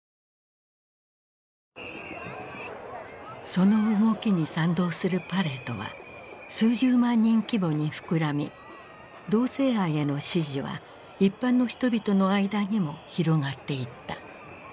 その動きに賛同するパレードは数十万人規模に膨らみ同性愛への支持は一般の人々の間にも広がっていった。